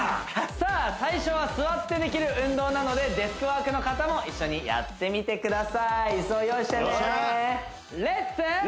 さあ最初は座ってできる運動なのでデスクワークの方も一緒にやってみてください椅子を用意してねレッツ！